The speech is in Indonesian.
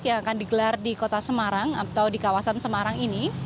yang akan digelar di kota semarang atau di kawasan semarang ini